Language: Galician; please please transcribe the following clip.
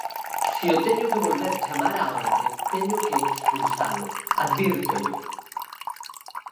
Se o teño que volver chamar á orde, teño que expulsalo, advírtollo.